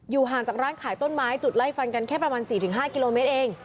ห่างจากร้านขายต้นไม้จุดไล่ฟันกันแค่ประมาณ๔๕กิโลเมตรเอง